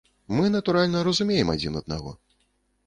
Мы, натуральна, разумеем адзін аднаго.